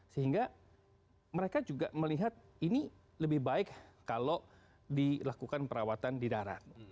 sehingga mereka juga melihat ini lebih baik kalau dilakukan perawatan di darat